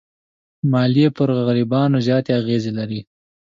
مالیې پر غریبانو زیات اغېز لري.